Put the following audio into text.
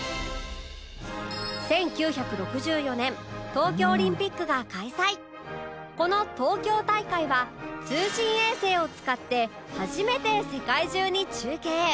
徹子先輩はこの東京大会は通信衛星を使って初めて世界中に中継